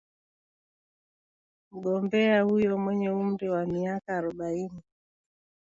Mgombea huyo mwenye umri wa miaka arobaini